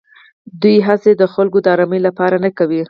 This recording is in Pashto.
دوی هېڅې د خلکو د ارامۍ لپاره نه کوي.